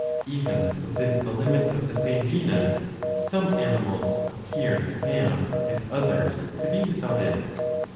Even within the limits of the same genus, some animals appear to have and others to be without it.